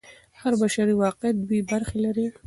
هر بشري واقعیت دوې برخې لري.